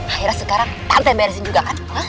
akhirnya sekarang tante beresin juga kan